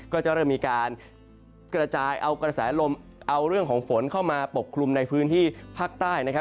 ก็จะเริ่มมีการกระจายเอากระแสลมเอาเรื่องของฝนเข้ามาปกคลุมในพื้นที่ภาคใต้